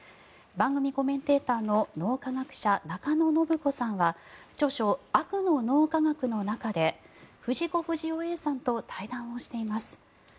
番組コメンテーターの脳科学者中野信子さんは著書「悪の脳科学」の中で藤子不二雄Ａさんと対談をしています。